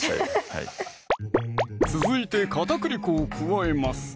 はい続いて片栗粉を加えます！